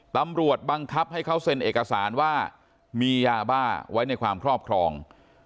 บังคับให้เขาเซ็นเอกสารว่ามียาบ้าไว้ในความครอบครอง